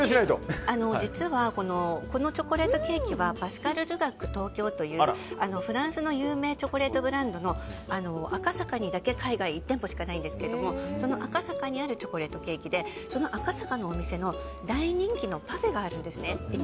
実はこのチョコレートケーキはパスカル・ル・ガック東京というフランスの有名チョコレートブランドの赤坂にだけ海外１店舗しかないんですけれどもその赤坂にあるチョコレートケーキでその赤坂のお店の大人気のパフェがあるんですね。